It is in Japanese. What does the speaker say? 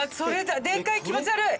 でかい気持ち悪い。